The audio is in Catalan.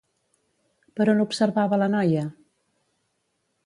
Per on observava la noia?